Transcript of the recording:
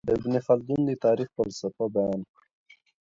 ابن خلدون د تاريخ فلسفه بيان کړه.